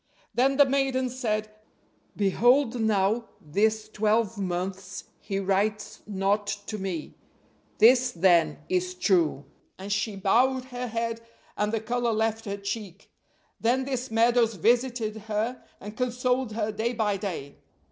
Then the maiden said: 'Behold now this twelve months he writes not to me, this then is true'; and she bowed her head, and the color left her cheek. Then this Meadows visited her, and consoled her day by day.